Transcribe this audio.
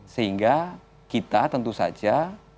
sehingga kita tentu saja